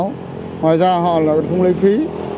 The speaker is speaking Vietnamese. ngoài ra họ cũng không lấy phí